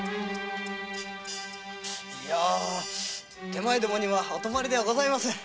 手前どもにはお泊まりではございません。